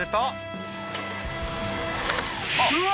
うわ！